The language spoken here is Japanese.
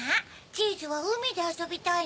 チーズはうみであそびたいのね？